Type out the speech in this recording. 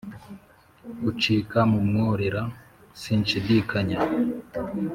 ucika mu mworera sinshidikanya